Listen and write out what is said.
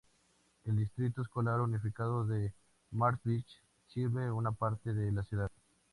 El Distrito Escolar Unificado de Marysville sirve una parte de la ciudad.